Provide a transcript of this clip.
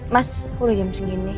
mas udah jam segini